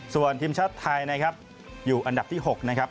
ส่วนทีมชาติไทยนะครับอยู่อันดับที่๖นะครับ